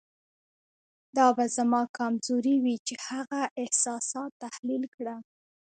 دا به زما کمزوري وي چې هغه احساسات تحلیل کړم.